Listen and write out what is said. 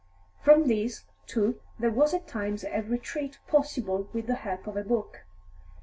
From this, too, there was at times a retreat possible with the help of a book.